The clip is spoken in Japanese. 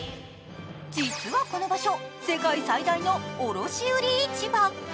実はこの場所世界最大の卸売市場。